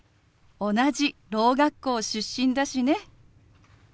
同じろう学校出身だしね。